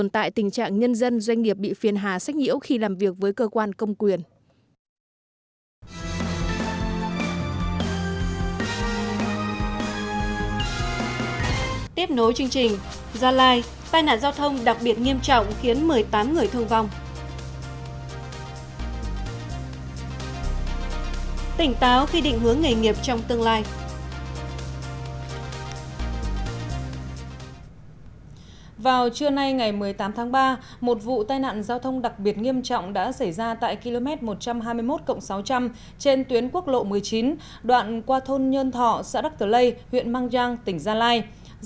tỉnh táo ghi định hướng nghề nghiệp trong tương lai